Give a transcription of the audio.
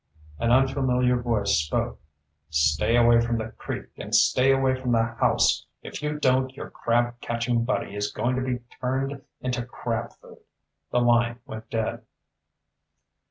An unfamiliar voice spoke. "Stay away from the creek, and stay away from the house. If you don't, your crab catching buddy is going to be turned into crab food." The line went dead.